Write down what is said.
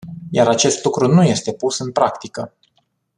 Iar acest lucru nu este pus în practică.